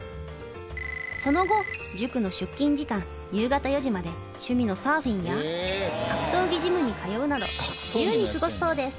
その後塾の出勤時間夕方４時まで趣味のサーフィンや格闘技ジムに通うなど自由に過ごすそうです